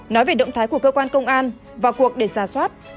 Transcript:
nói về động thái của cơ quan công an vào cuộc để giả soát